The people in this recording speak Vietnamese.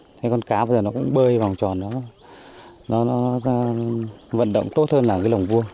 thế con cá bây giờ nó cũng bơi lồng tròn nó vận động tốt hơn là cái lồng vua